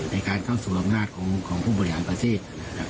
ในการเข้าสู่อำนาจของผู้บริหารประเทศ